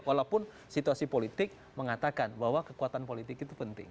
walaupun situasi politik mengatakan bahwa kekuatan politik itu penting